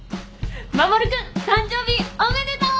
守君誕生日おめでとう！